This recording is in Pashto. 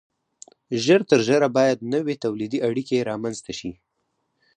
ژر تر ژره باید نوې تولیدي اړیکې رامنځته شي.